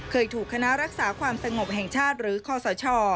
เคยถูกคณะรักษาความสงบแห่งชาติหรือคอสช